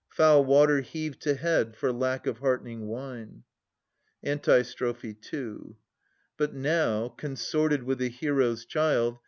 Foul water heaved to head for lack of heartening wine. Antistrophe II. But now, consorted with the herds child.